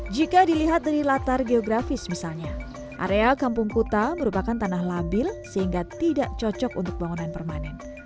jika dilihat dari latar geografis misalnya area kampung kuta merupakan tanah labil sehingga tidak cocok untuk bangunan permanen